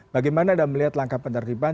bagaimana anda melihat langkah penertiban